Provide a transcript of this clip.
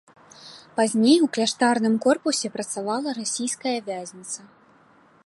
Пазней у кляштарным корпусе працавала расійская вязніца.